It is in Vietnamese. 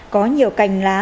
có nhiều cành lá